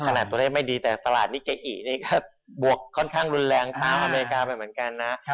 ตัวเลขไม่ดีแต่ตลาดนิเจอินี่ก็บวกค่อนข้างรุนแรงตามอเมริกาไปเหมือนกันนะ